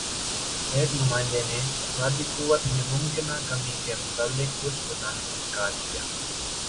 ایک نمائندے نے افرادی قوت میں ممکنہ کمی کے متعلق کچھ بتانے سے اِنکار کِیا